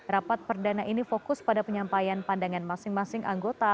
rapat perdana ini fokus pada penyampaian pandangan masing masing anggota